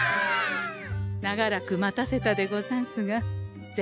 長らく待たせたでござんすが銭